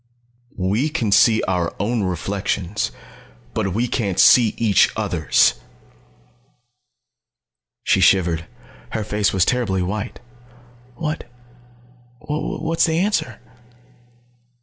"We we can see our own reflections, but we can't see each other's!" She shivered. Her face was terribly white. "What what is the answer?"